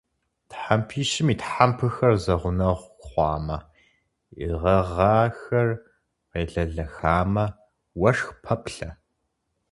Тхьэмпищым и тхьэмпэхэр зэгъунэгъу хъуамэ, и гъэгъахэр къелэлэхамэ, уэшх пэплъэ.